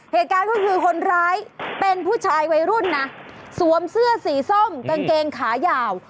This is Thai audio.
เหตุการณ์ก็คือคนร้ายเป็นผู้ชายวัยรุ่นนะสวมเสื้อสีส้มกางเกงขายาว